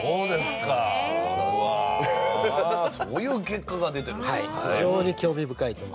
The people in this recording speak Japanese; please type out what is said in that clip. そういう結果が出てると。